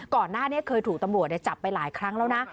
ก่อนหน้านี้เคยถูกจับประโยชน์ไปหลายทั้งแล้วนะ